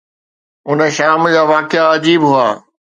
ان شام جا واقعا عجيب هئا.